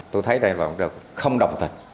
tôi thấy đây là không đồng tình